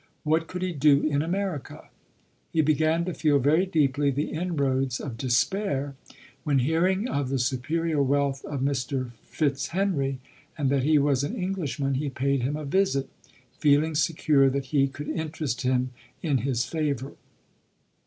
"What could he do in Ame J rica? He began to feel very deeply the inroads of despair, when hearing of the superior wealth of Mr. Fitzhenry, and that he was an English man, he paid him a visit, feeling secure that ! could interest him in his favour.